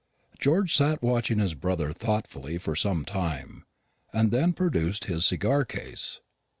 George sat watching his brother thoughtfully for some time, and then produced his cigar case.